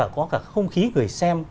có cả không khí người xem